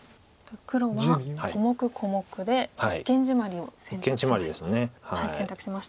黒は小目小目で一間ジマリを選択しましたが。